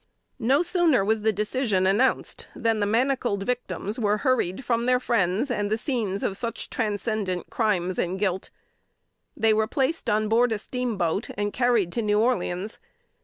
No sooner was the decision announced, than the manacled victims were hurried from their friends and the scenes of such transcendent crimes and guilt. They were placed on board a steamboat, and carried to New Orleans.